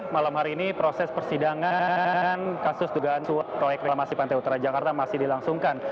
malam hari ini proses persidangan kasus dugaan proyek reklamasi pantai utara jakarta masih dilangsungkan